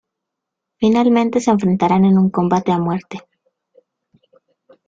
Finalmente se enfrentarán en un combate a muerte.